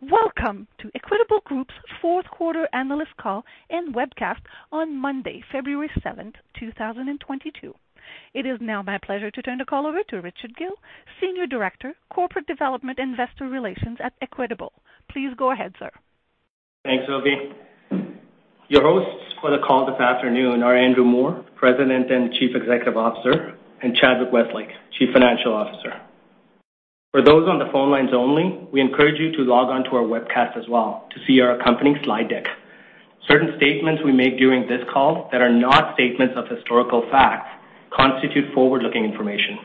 Welcome to Equitable Group's fourth quarter analyst call and webcast on Monday, February 7th, 2022. It is now my pleasure to turn the call over to Richard Gill, Vice President, Corporate Development and Investor Relations at Equitable. Please go ahead, sir. Thanks, Sophie. Your hosts for the call this afternoon are Andrew Moor, President and Chief Executive Officer, and Chadwick Westlake, Chief Financial Officer. For those on the phone lines only, we encourage you to log on to our webcast as well to see our accompanying slide deck. Certain statements we make during this call that are not statements of historical facts constitute forward-looking information.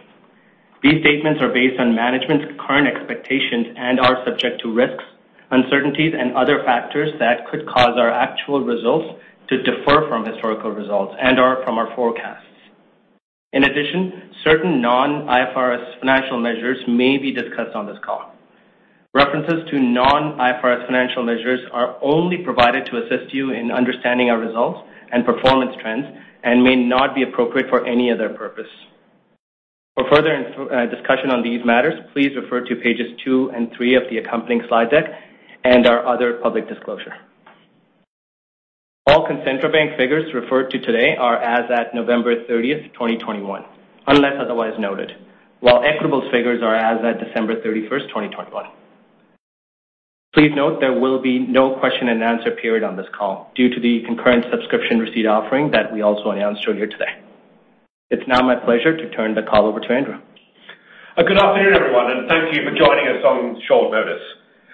These statements are based on management's current expectations and are subject to risks, uncertainties, and other factors that could cause our actual results to differ from historical results and/or from our forecasts. In addition, certain non-IFRS financial measures may be discussed on this call. References to non-IFRS financial measures are only provided to assist you in understanding our results and performance trends and may not be appropriate for any other purpose. For further discussion on these matters, please refer to pages two and three of the accompanying slide deck and our other public disclosure. All Concentra Bank figures referred to today are as at November 30th, 2021, unless otherwise noted, while Equitable's figures are as at December 31st, 2021. Please note there will be no question-and-answer period on this call due to the concurrent subscription receipt offering that we also announced earlier today. It's now my pleasure to turn the call over to Andrew. Good afternoon everyone and thank you for joining us on short notice.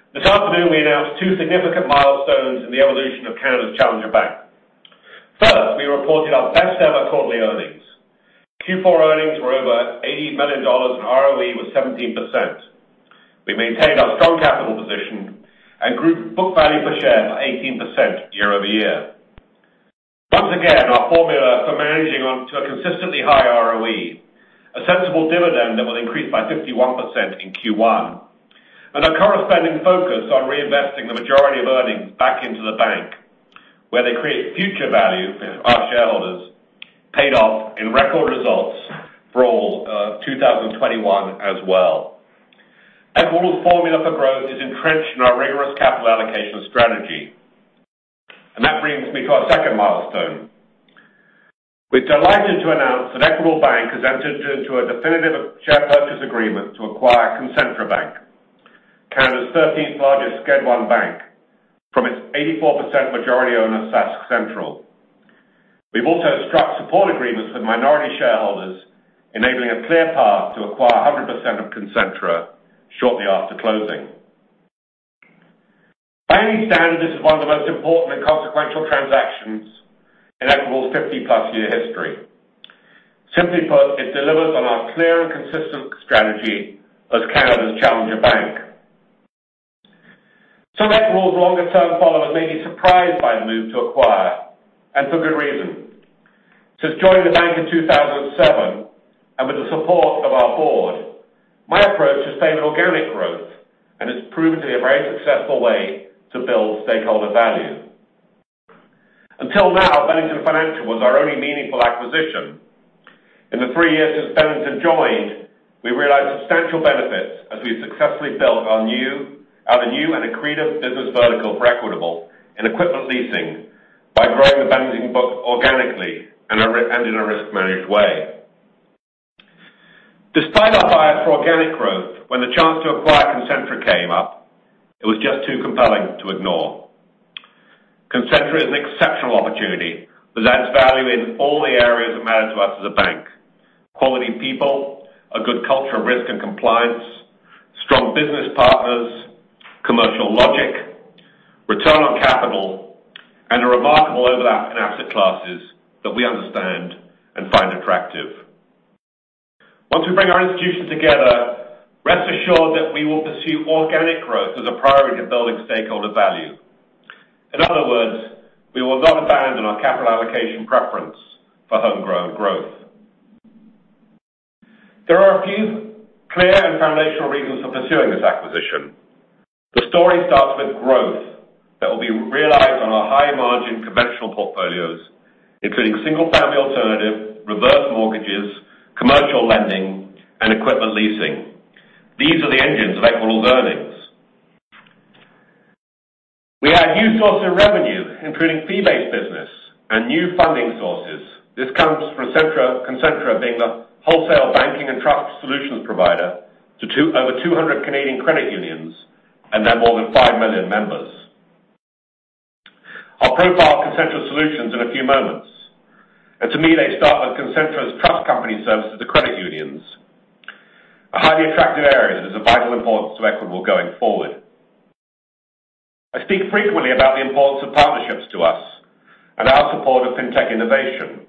This afternoon we announced two significant milestones in the evolution of Canada's Challenger Bank. First, we reported our best ever quarterly earnings. Q4 earnings were over 80 million dollars, and ROE was 17%. We maintained our strong capital position and group book value per share of 18% year-over-year. Once again, our formula for managing on to a consistently high ROE, a sensible dividend that will increase by 51% in Q1, and a corresponding focus on reinvesting the majority of earnings back into the bank, where they create future value for our shareholders paid off in record results for all 2021 as well. Equitable's formula for growth is entrenched in our rigorous capital allocation strategy. That brings me to our second milestone. We're delighted to announce that Equitable Bank has entered into a definitive share purchase agreement to acquire Concentra Bank, Canada's thirteenth-largest Schedule I bank from its 84% majority owner, SaskCentral. We've also struck support agreements with minority shareholders, enabling a clear path to acquire 100% of Concentra shortly after closing. By any standard, this is one of the most important and consequential transactions in Equitable's 50+ year history. Simply put, it delivers on our clear and consistent strategy as Canada's challenger bank. Some Equitable's longer-term followers may be surprised by the move to acquire, and for good reason. Since joining the bank in 2007, and with the support of our board, my approach has favored organic growth, and it's proven to be a very successful way to build stakeholder value. Until now, Bennington Financial was our only meaningful acquisition. In the three years since Bennington joined, we realized substantial benefits as we successfully built a new and accretive business vertical for Equitable in equipment leasing by growing the Bennington book organically and in a risk-managed way. Despite our bias for organic growth, when the chance to acquire Concentra came up, it was just too compelling to ignore. Concentra is an exceptional opportunity that adds value in all the areas that matter to us as a bank. Quality people, a good culture of risk and compliance, strong business partners, commercial logic, return on capital, and a remarkable overlap in asset classes that we understand and find attractive. Once we bring our institutions together, rest assured that we will pursue organic growth as a priority to building stakeholder value. In other words, we will not abandon our capital allocation preference for homegrown growth. There are a few clear and foundational reasons for pursuing this acquisition. The story starts with growth that will be realized on our high margin conventional portfolios, including single-family alternative, reverse mortgages, commercial lending, and equipment leasing. These are the engines of Equitable's earnings. We add new sources of revenue, including fee-based business and new funding sources. This comes from Concentra being the wholesale banking and trust solutions provider to over 200 Canadian credit unions and their more than 5 million members. I'll profile Concentra solutions in a few moments, and to me, they start with Concentra's trust company services to credit unions, a highly attractive area that is of vital importance to Equitable going forward. I speak frequently about the importance of partnerships to us and our support of fintech innovation.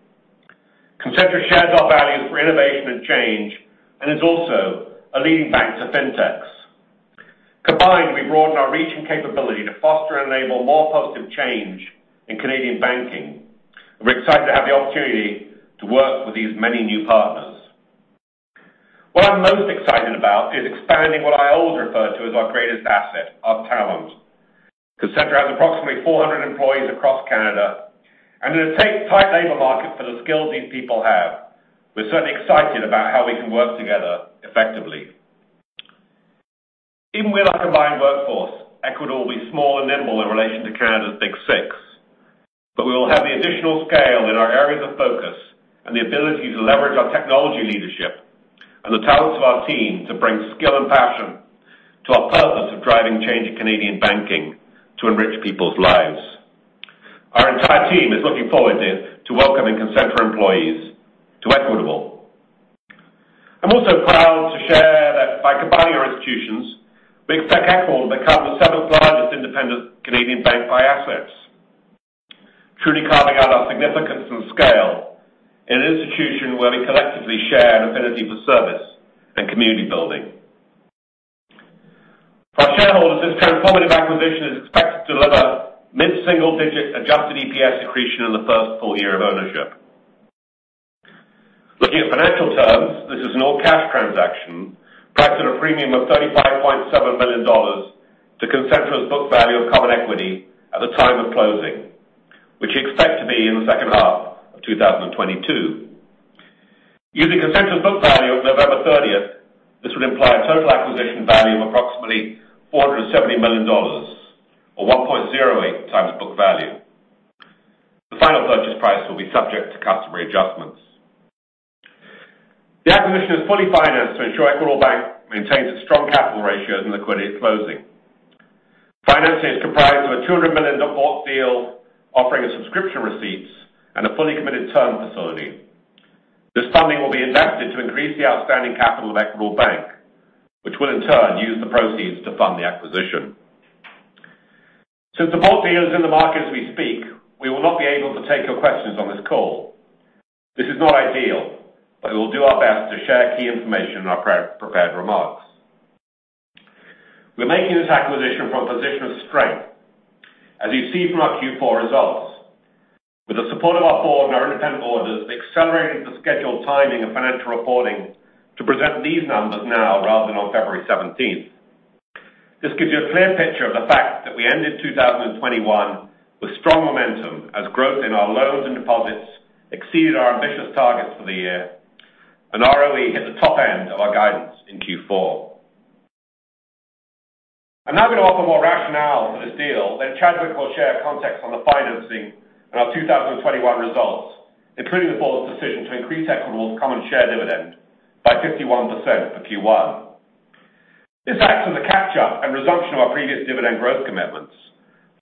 Concentra shares our values for innovation and change and is also a leading bank to fintechs. Combined, we broaden our reach and capability to foster and enable more positive change in Canadian banking. We're excited to have the opportunity to work with these many new partners. What I'm most excited about is expanding what I always refer to as our greatest asset, our talent. Concentra has approximately 400 employees across Canada, and in a tight labor market for the skills these people have, we're certainly excited about how we can work together effectively. Even with our combined workforce, Equitable will be small and nimble in relation to Canada's Big Six, but we will have the additional scale in our areas of focus and the ability to leverage our technology leadership and the talents of our team to bring skill and passion to our purpose of driving change in Canadian banking to enrich people's lives. Our entire team is looking forward to welcoming Concentra employees to Equitable. I'm also proud to share that by combining our institutions, we expect Equitable to become the seventh-largest independent Canadian bank by assets, truly carving out our significance and scale in an institution where we collectively share an affinity for service and community building. For our shareholders, this transformative acquisition is expected to deliver mid-single-digit Adjusted EPS accretion in the first full year of ownership. Looking at financial terms, this is an all-cash transaction priced at a premium of 35.7 million dollars to Concentra's book value of common equity at the time of closing, which we expect to be in the second half of 2022. Using Concentra's book value of November 30th, this would imply a total acquisition value of approximately 470 million dollars or 1.08x book value. The final purchase price will be subject to customary adjustments. The acquisition is fully financed to ensure Equitable Bank maintains its strong capital ratios and liquidity at closing. Financing is comprised of a 200 million bond deal, offering subscription receipts, and a fully committed term facility. This funding will be invested to increase the outstanding capital of Equitable Bank, which will in turn use the proceeds to fund the acquisition. Since the bond deal is in the market as we speak, we will not be able to take your questions on this call. This is not ideal, but we will do our best to share key information in our pre-prepared remarks. We're making this acquisition from a position of strength. As you see from our Q4 results, with the support of our board and our independent auditors, we are accelerating the scheduled timing of financial reporting to present these numbers now rather than on February 17th. This gives you a clear picture of the fact that we ended 2021 with strong momentum as growth in our loans and deposits exceeded our ambitious targets for the year, and ROE hit the top end of our guidance in Q4. I'm now gonna offer more rationale for this deal, then Chadwick will share context on the financing and our 2021 results, including the board's decision to increase Equitable's common share dividend by 51% for Q1. This acts as a catch-up and resumption of our previous dividend growth commitments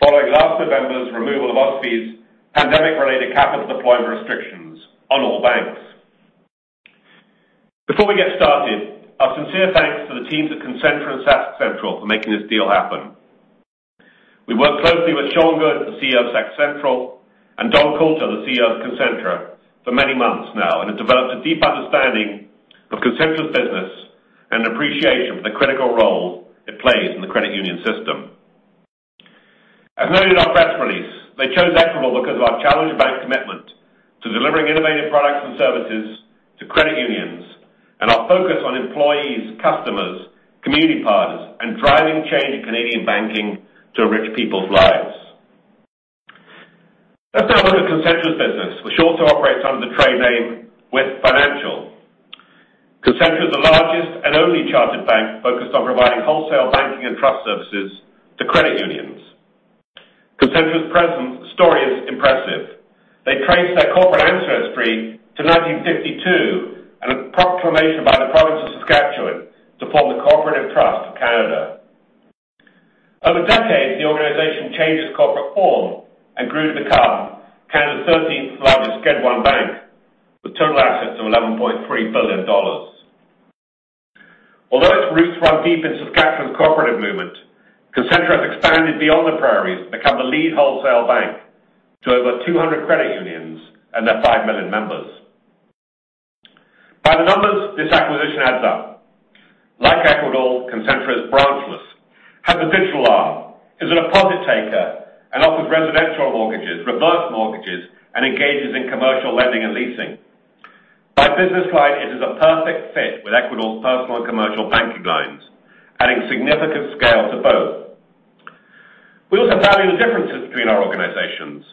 following last November's removal of OSFI's pandemic-related capital deployment restrictions on all banks. Before we get started, our sincere thanks to the teams at Concentra and SaskCentral for making this deal happen. We worked closely with Sean Good, the CEO of SaskCentral, and Don Coulter, the CEO of Concentra, for many months now and have developed a deep understanding of Concentra's business and appreciation for the critical role it plays in the credit union system. As noted in our press release, they chose Equitable because of our challenger bank commitment to delivering innovative products and services to credit unions and our focus on employees, customers, community partners, and driving change in Canadian banking to enrich people's lives. Let's now look at Concentra's business, which also operates under the trade name Wyth Financial. Concentra is the largest and only chartered bank focused on providing wholesale banking and trust services to credit unions. Concentra's present story is impressive. They trace their corporate ancestry to 1952 and a proclamation by the province of Saskatchewan to form the Co-operative Trust of Canada. Over decades, the organization changed its corporate form and grew to become Canada's thirteenth-largest Schedule I bank with total assets of 11.3 billion dollars. Although its roots run deep in Saskatchewan's cooperative movement, Concentra has expanded beyond the prairies to become the lead wholesale bank to over 200 credit unions and their 5 million members. By the numbers, this acquisition adds up. Like Equitable, Concentra is branchless, has a digital arm, is a deposit taker, and offers residential mortgages, reverse mortgages, and engages in commercial lending and leasing. By business line, it is a perfect fit with Equitable's personal and commercial banking lines, adding significant scale to both. We also value the differences between our organizations.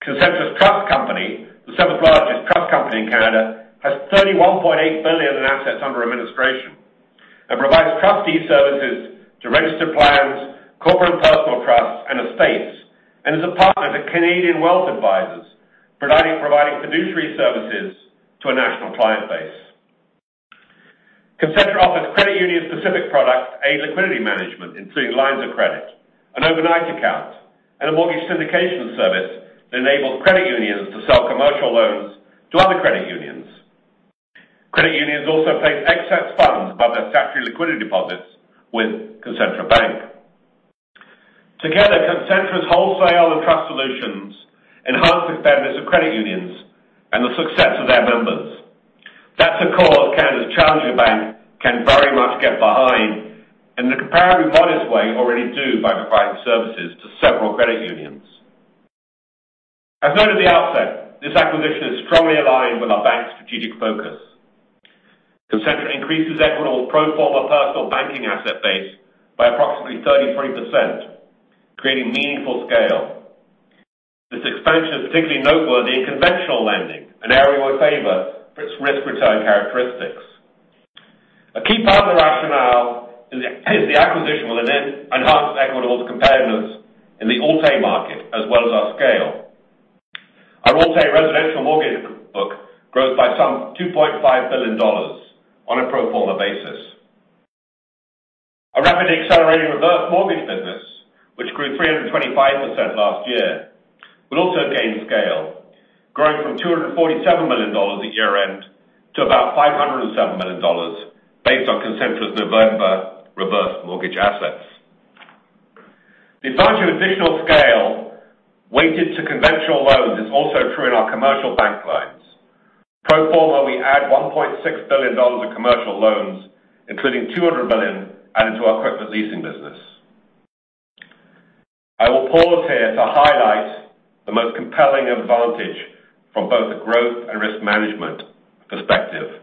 Concentra's trust company, the seventh-largest trust company in Canada, has 31.8 billion in assets under administration and provides trustee services to registered plans, corporate and personal trusts, and estates, and is a partner to Canadian Wealth Advisors, providing fiduciary services to a national client base. Concentra offers credit union-specific products, and liquidity management, including lines of credit, an overnight account, and a mortgage syndication service that enables credit unions to sell commercial loans to other credit unions. Credit unions also place excess funds above their statutory liquidity deposits with Concentra Bank. Together, Concentra's wholesale and trust solutions enhance the fairness of credit unions and the success of their members. That's a cause Canada's challenger bank can very much get behind in the comparatively modest way we already do by providing services to several credit unions. As noted at the outset, this acquisition is strongly aligned with our bank's strategic focus. Concentra increases Equitable's pro forma personal banking asset base by approximately 33%, creating meaningful scale. This expansion is particularly noteworthy in conventional lending, an area we favor for its risk-return characteristics. A key part of the rationale is the acquisition will enhance Equitable's competitiveness in the Alt-A market as well as our scale. Our Alt-A residential mortgage book grows by some 2.5 billion dollars on a pro forma basis. A rapidly accelerating reverse mortgage business, which grew 325% last year, will also gain scale, growing from 247 million dollars at year-end to about 507 million dollars, based on Concentra's November reverse mortgage assets. The advantage of additional scale weighted to conventional loans is also true in our commercial bank loans. Pro forma, we add 1.6 billion dollars of commercial loans, including 200 million added to our equipment leasing business. I will pause here to highlight the most compelling advantage from both the growth and risk management perspective.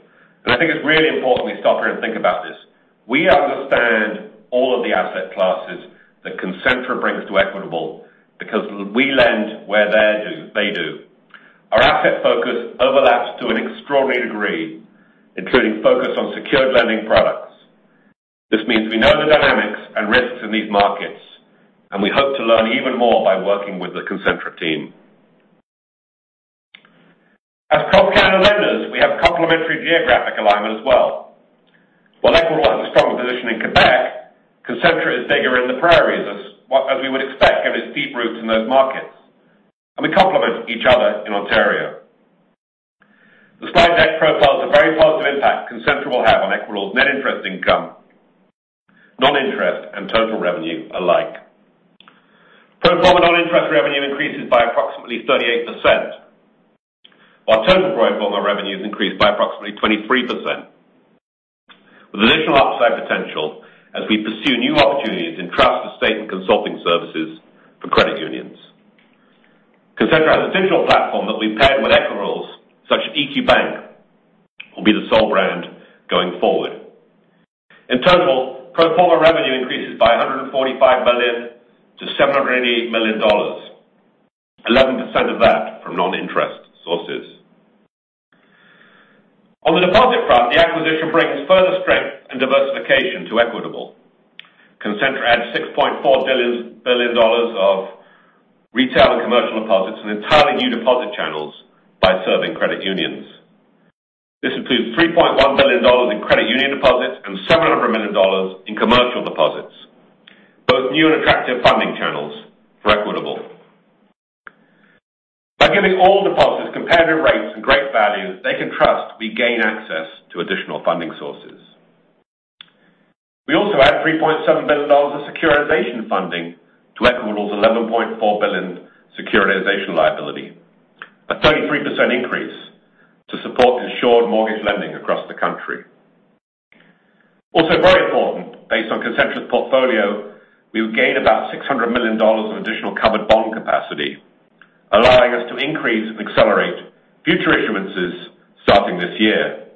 I think it's really important we stop here and think about this. We understand all of the asset classes that Concentra brings to Equitable because we lend where they do. Our asset focus overlaps to an extraordinary degree, including focus on secured lending products. This means we know the dynamics and risks in these markets, and we hope to learn even more by working with the Concentra team. As cross-Canada lenders, we have complementary geographic alignment as well. While Equitable has a strong position in Quebec, Concentra is bigger in the prairies as we would expect, given its deep roots in those markets. We complement each other in Ontario. Despite that, the profile has a very positive impact that Concentra will have on Equitable's net interest income, non-interest, and total revenue alike. Pro forma non-interest revenue increases by approximately 38%, while total pro forma revenues increased by approximately 23%, with additional upside potential as we pursue new opportunities in trust estate and consulting services for credit unions. Concentra has a digital platform that we paired with Equitable's, so EQ Bank will be the sole brand going forward. In total, pro forma revenue increases by 145 million to 788 million dollars, 11% of that from non-interest sources. On the deposit front, the acquisition brings further strength and diversification to Equitable. Concentra adds 6.4 billion dollars of retail and commercial deposits and entirely new deposit channels by serving credit unions. This includes 3.1 billion dollars in credit union deposits and 700 million dollars in commercial deposits, both new and attractive funding channels for Equitable. By giving all depositors competitive rates and great value they can trust, we gain access to additional funding sources. We also add 3.7 billion dollars of securitization funding to Equitable's 11.4 billion securitization liability, a 33% increase to support insured mortgage lending across the country. Also very important, based on Concentra's portfolio, we will gain about 600 million dollars in additional covered bond capacity, allowing us to increase and accelerate future issuances starting this year.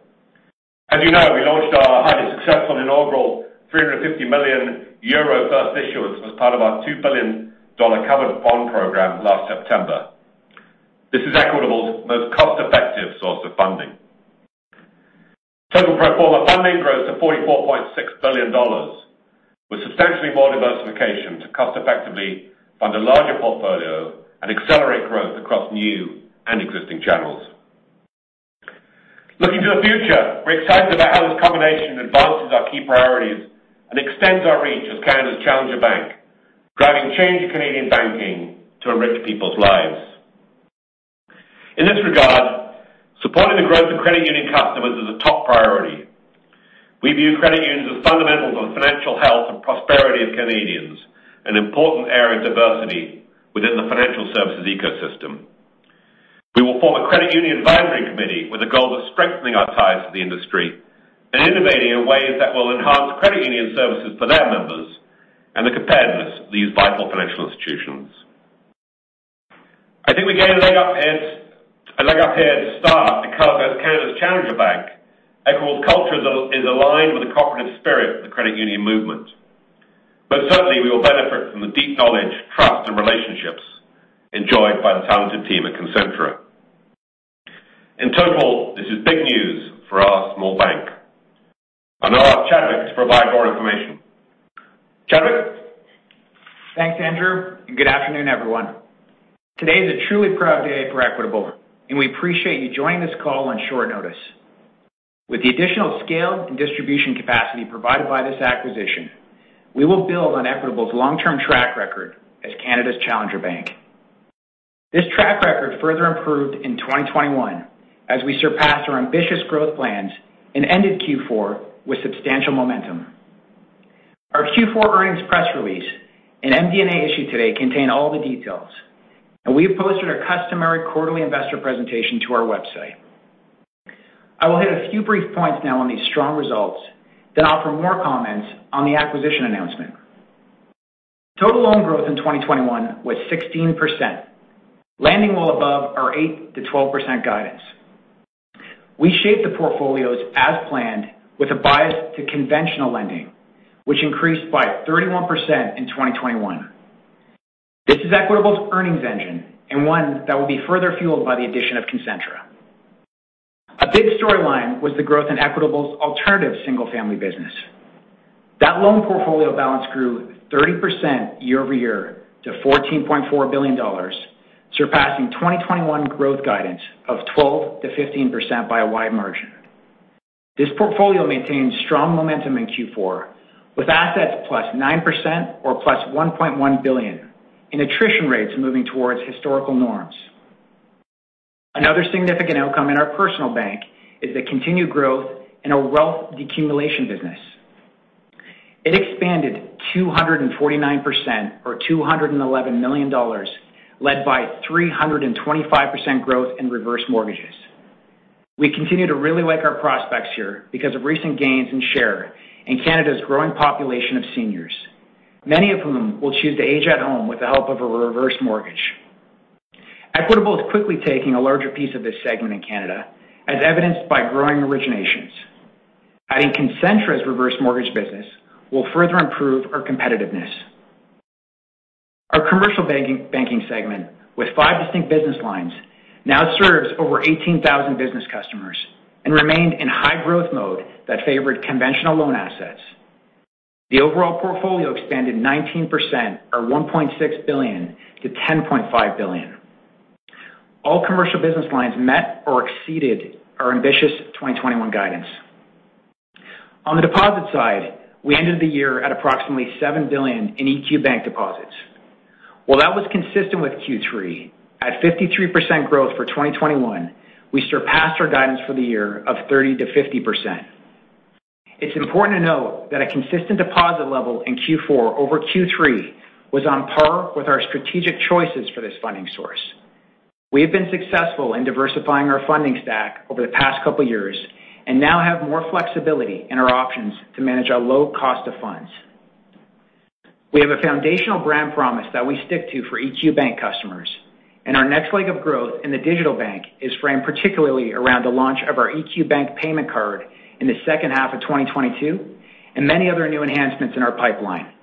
As you know, we launched our highly successful inaugural 350 million euro first issuance as part of our CAD 2 billion covered bond program last September. This is Equitable's most cost-effective source of funding. Total pro forma funding grows to 44.6 billion dollars, with substantially more diversification to cost effectively fund a larger portfolio and accelerate growth across new and existing channels. Looking to the future, we're excited about how this combination advances our key priorities and extends our reach as Canada's challenger bank, driving change in Canadian banking to enrich people's lives. In this regard, supporting the growth of credit union customers is a top priority. We view credit unions as fundamentals of the financial health and prosperity of Canadians, an important area of diversity within the financial services ecosystem. We will form a credit union advisory committee with a goal of strengthening our ties to the industry and innovating in ways that will enhance credit union services for their members and the competitiveness of these vital financial institutions. I think we get a leg up here to start because as Canada's challenger bank, Equitable's culture is aligned with the cooperative spirit of the credit union movement. Certainly we will benefit from the deep knowledge, trust, and relationships enjoyed by the talented team at Concentra. In total, this is big news for our small bank. I'll now ask Chadwick to provide more information. Chadwick? Thanks Andrew and good afternoon everyone. Today is a truly proud day for Equitable, and we appreciate you joining this call on short notice. With the additional scale and distribution capacity provided by this acquisition, we will build on Equitable's long-term track record as Canada's challenger bank. This track record further improved in 2021 as we surpassed our ambitious growth plans and ended Q4 with substantial momentum. Our Q4 earnings press release and MD&A issued today contain all the details, and we have posted our customary quarterly investor presentation to our website. I will hit a few brief points now on these strong results, then offer more comments on the acquisition announcement. Total loan growth in 2021 was 16%, landing well above our 8%-12% guidance. We shaped the portfolios as planned with a bias to conventional lending, which increased by 31% in 2021. This is Equitable's earnings engine and one that will be further fueled by the addition of Concentra. A big storyline was the growth in Equitable's alternative single-family business. That loan portfolio balance grew 30% year-over-year to 14.4 billion dollars, surpassing 2021 growth guidance of 12%-15% by a wide margin. This portfolio maintained strong momentum in Q4 with assets +9% or +1.1 billion in attrition rates moving towards historical norms. Another significant outcome in our personal bank is the continued growth in our wealth decumulation business. It expanded 249% or 211 million dollars, led by 325% growth in reverse mortgages. We continue to really like our prospects here because of recent gains in share and Canada's growing population of seniors, many of whom will choose to age at home with the help of a reverse mortgage. Equitable is quickly taking a larger piece of this segment in Canada, as evidenced by growing originations. Adding Concentra's reverse mortgage business will further improve our competitiveness. Our commercial banking segment with five distinct business lines now serves over 18,000 business customers and remained in high-growth mode that favored conventional loan assets. The overall portfolio expanded 19% or 1.6 billion-10.5 billion. All commercial business lines met or exceeded our ambitious 2021 guidance. On the deposit side, we ended the year at approximately 7 billion in EQ Bank deposits. While that was consistent with Q3, at 53% growth for 2021, we surpassed our guidance for the year of 30%-50%. It's important to note that a consistent deposit level in Q4 over Q3 was on par with our strategic choices for this funding source. We have been successful in diversifying our funding stack over the past couple of years and now have more flexibility in our options to manage our low cost of funds. We have a foundational brand promise that we stick to for EQ Bank customers, and our next leg of growth in the digital bank is framed particularly around the launch of our EQ Bank payment card in the H2 of 2022 and many other new enhancements in our pipeline.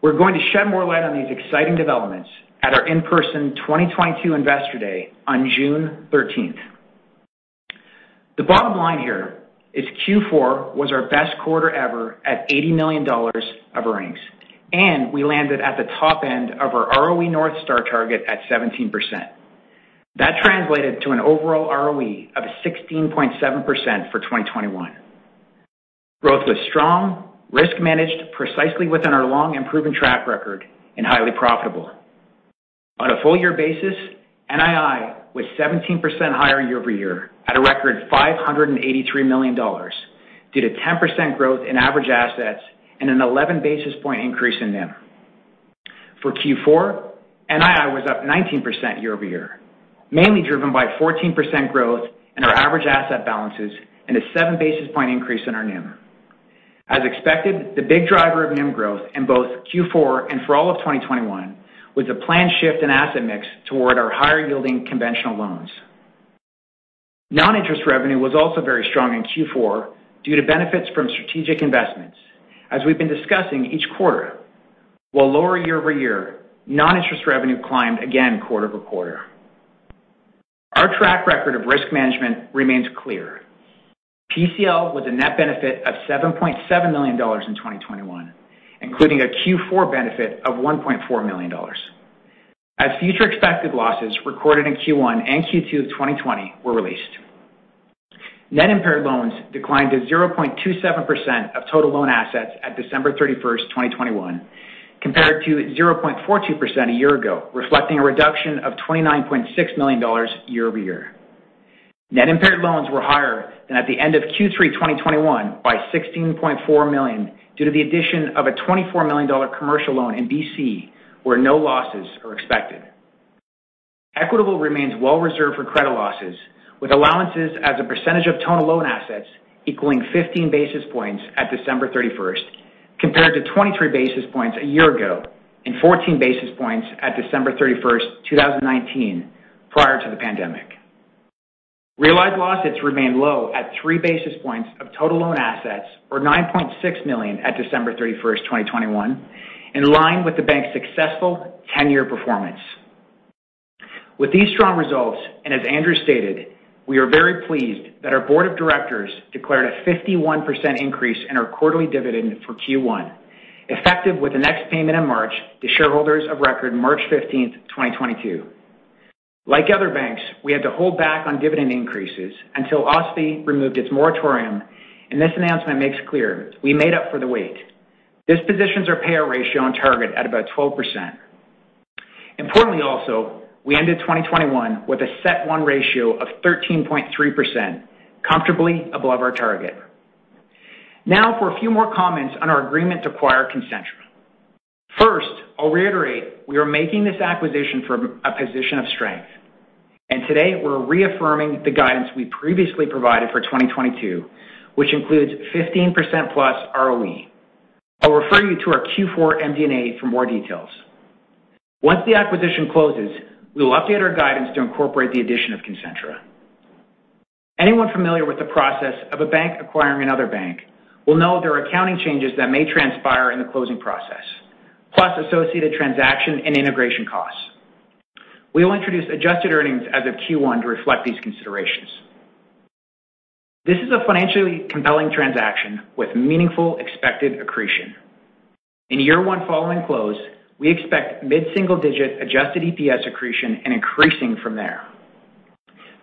We're going to shed more light on these exciting developments at our in-person 2022 Investor Day on June 13th. The bottom line here is Q4 was our best quarter ever at 80 million dollars of earnings, and we landed at the top end of our ROE North Star target at 17%. That translated to an overall ROE of 16.7% for 2021. Growth was strong, risk managed precisely within our long and proven track record, and highly profitable. On a full-year basis, NII was 17% higher year-over-year at a record 583 million dollars due to 10% growth in average assets and an 11 basis point increase in NIM. For Q4, NII was up 19% year-over-year, mainly driven by 14% growth in our average asset balances and a 7 basis point increase in our NIM. As expected, the big driver of NIM growth in both Q4 and for all of 2021 was a planned shift in asset mix toward our higher-yielding conventional loans. Non-interest revenue was also very strong in Q4 due to benefits from strategic investments. As we've been discussing each quarter, while lower year-over-year, non-interest revenue climbed again quarter-over-quarter. Our track record of risk management remains clear. PCL was a net benefit of 7.7 million dollars in 2021, including a Q4 benefit of 1.4 million dollars as future expected losses recorded in Q1 and Q2 of 2020 were released. Net impaired loans declined to 0.27% of total loan assets at December 31st, 2021, compared to 0.42% a year ago, reflecting a reduction of 29.6 million dollars year-over-year. Net impaired loans were higher than at the end of Q3 2021 by 16.4 million due to the addition of a 24 million dollar commercial loan in BC, where no losses are expected. Equitable remains well reserved for credit losses, with allowances as a percentage of total loan assets equaling 15 basis points at December 31st, compared to 23 basis points a year ago and 14 basis points at December 31st, 2019, prior to the pandemic. Realized losses remain low at 3 basis points of total loan assets or 9.6 million at December 31st, 2021, in line with the bank's successful 10-year performance. With these strong results, and as Andrew stated, we are very pleased that our board of directors declared a 51% increase in our quarterly dividend for Q1, effective with the next payment in March to shareholders of record March 15th, 2022. Like other banks, we had to hold back on dividend increases until OSFI removed its moratorium, and this announcement makes clear we made up for the wait. This positions our payout ratio on target at about 12%. Importantly also, we ended 2021 with a CET1 ratio of 13.3%, comfortably above our target. Now for a few more comments on our agreement to acquire Concentra. First, I'll reiterate we are making this acquisition from a position of strength. Today we're reaffirming the guidance we previously provided for 2022, which includes 15%+ ROE. I'll refer you to our Q4 MD&A for more details. Once the acquisition closes, we will update our guidance to incorporate the addition of Concentra. Anyone familiar with the process of a bank acquiring another bank will know there are accounting changes that may transpire in the closing process, plus associated transaction and integration costs. We will introduce adjusted earnings as of Q1 to reflect these considerations. This is a financially compelling transaction with meaningful expected accretion. In year one following close, we expect mid-single digit Adjusted EPS accretion and increasing from there.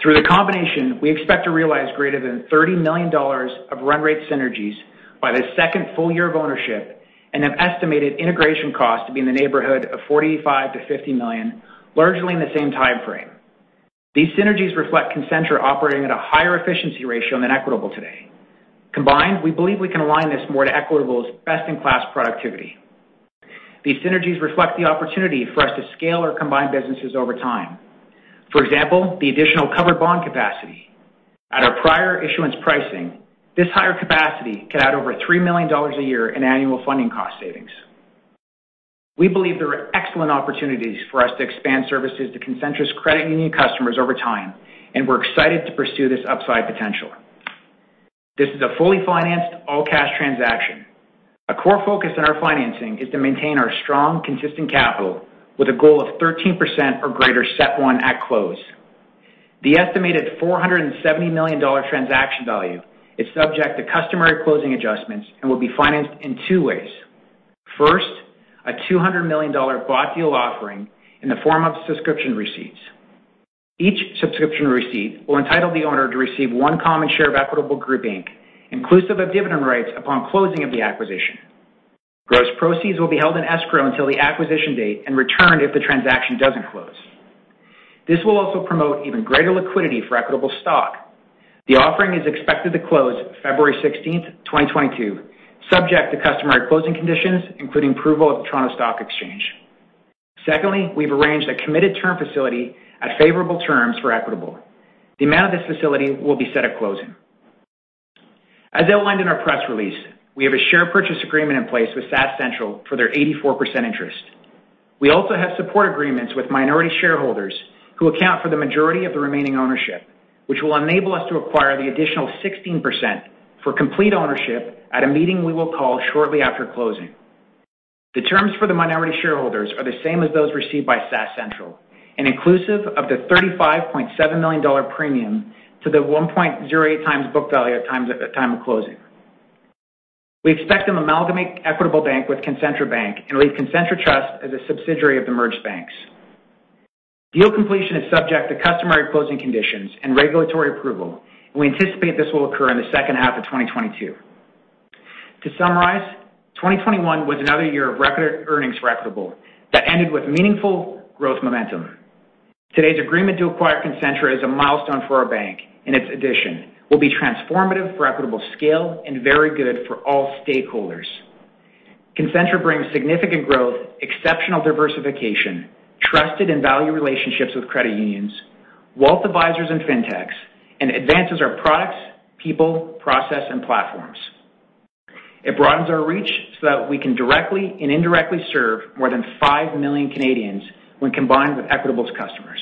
Through the combination, we expect to realize greater than 30 million dollars of run rate synergies by the second full year of ownership and have estimated integration costs to be in the neighborhood of 45 million-50 million, largely in the same time frame. These synergies reflect Concentra operating at a higher efficiency ratio than Equitable today. Combined, we believe we can align this more to Equitable's best-in-class productivity. These synergies reflect the opportunity for us to scale our combined businesses over time. For example, the additional covered bond capacity. At our prior issuance pricing, this higher capacity could add over 3 million dollars a year in annual funding cost savings. We believe there are excellent opportunities for us to expand services to Concentra's credit union customers over time, and we're excited to pursue this upside potential. This is a fully financed all-cash transaction. A core focus on our financing is to maintain our strong consistent capital with a goal of 13% or greater CET1 at close. The estimated 470 million dollar transaction value is subject to customary closing adjustments and will be financed in two ways. First, a 200 million dollar bought deal offering in the form of subscription receipts. Each subscription receipt will entitle the owner to receive 1 common share of Equitable Group Inc., inclusive of dividend rights upon closing of the acquisition. Gross proceeds will be held in escrow until the acquisition date and returned if the transaction doesn't close. This will also promote even greater liquidity for Equitable stock. The offering is expected to close February 16th, 2022, subject to customary closing conditions, including approval of the Toronto Stock Exchange. Secondly, we've arranged a committed term facility at favorable terms for Equitable. The amount of this facility will be set at closing. As outlined in our press release, we have a share purchase agreement in place with SaskCentral for their 84% interest. We also have support agreements with minority shareholders who account for the majority of the remaining ownership, which will enable us to acquire the additional 16% for complete ownership at a meeting we will call shortly after closing. The terms for the minority shareholders are the same as those received by SaskCentral and inclusive of the 35.7 million dollar premium to the 1.08x book value at time of closing. We expect to amalgamate Equitable Bank with Concentra Bank and leave Concentra Trust as a subsidiary of the merged banks. Deal completion is subject to customary closing conditions and regulatory approval, and we anticipate this will occur in the H2 of 2022. To summarize, 2021 was another year of record earnings for Equitable that ended with meaningful growth momentum. Today's agreement to acquire Concentra is a milestone for our bank, and its addition will be transformative for Equitable's scale and very good for all stakeholders. Concentra brings significant growth, exceptional diversification, trusted and valued relationships with credit unions, wealth advisors and fintechs, and advances our products, people, process and platforms. It broadens our reach so that we can directly and indirectly serve more than 5 million Canadians when combined with Equitable's customers.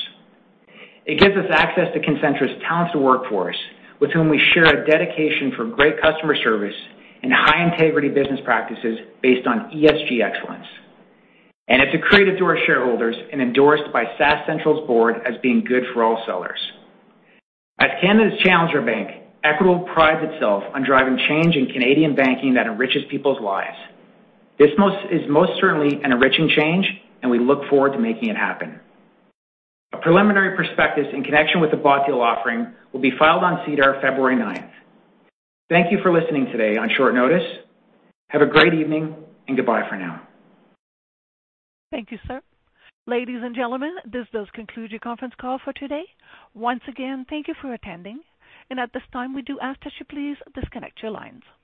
It gives us access to Concentra's talented workforce with whom we share a dedication for great customer service and high-integrity business practices based on ESG excellence. It's accretive to our shareholders and endorsed by SaskCentral's board as being good for all sellers. As Canada's challenger bank, Equitable prides itself on driving change in Canadian banking that enriches people's lives. This is most certainly an enriching change, and we look forward to making it happen. A preliminary prospectus in connection with the bought deal offering will be filed on SEDAR February ninth. Thank you for listening today on short notice. Have a great evening and goodbye for now. Thank you, sir. Ladies and gentlemen, this does conclude your conference call for today. Once again, thank you for attending. At this time, we do ask that you please disconnect your lines.